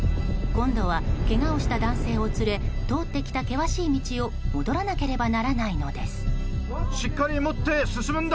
今度は、けがをした男性を連れ通ってきた険しい道を戻らなければならないのです。